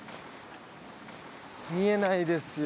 見えないですよ